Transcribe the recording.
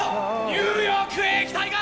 ニューヨークへ行きたいか！